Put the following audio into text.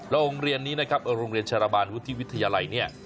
โรงเรียนนี้นะครับโรงเรียนชรบานวุฒิวิทยาลัยเนี่ย